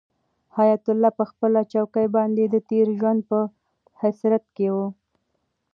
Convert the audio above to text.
حیات الله په خپله چوکۍ باندې د تېر ژوند په حسرت کې و.